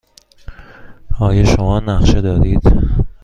آیا شما نقشه دارید؟